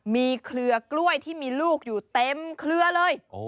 มีเครือกล้วยที่มีลูกอยู่เต็มเครือเลย